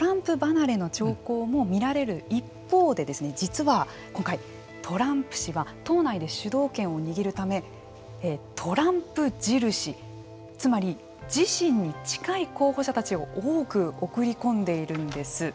よくよく見るとトランプ離れの兆候も見られる一方で実は、今回トランプ氏は党内で主導権を握るためトランプ印つまり、自身に近い候補者たちを多く送り込んでいるんです。